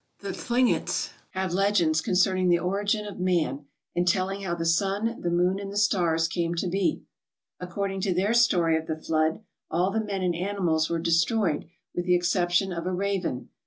The Thlingets have legends concerning the origin of man and telling how the sun, the moon, and the stars came to be. According to their story of the flood, all the men and animals were destroyed with the exception of a raven.